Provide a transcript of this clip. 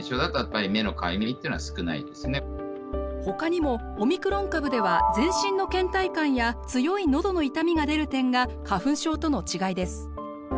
ほかにもオミクロン株では全身のけん怠感や強いのどの痛みが出る点が花粉症との違いです。